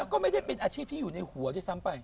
ก็ไม่ได้เป็นอาชีพที่อยู่ในหัวด้วยซ้ำไป